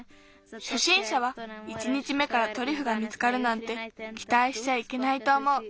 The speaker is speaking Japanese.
しょしんしゃは１日目からトリュフが見つかるなんてきたいしちゃいけないとおもう。